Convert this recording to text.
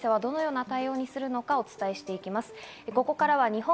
企業や、お店はどのような対応にするのかをお伝えしていきます。